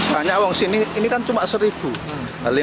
hanya orang sini ini kan cuma rp satu